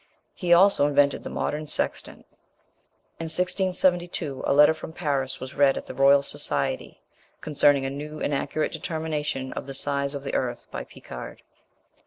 He also invented the modern sextant. In 1672 a letter from Paris was read at the Royal Society concerning a new and accurate determination of the size of the earth by Picard.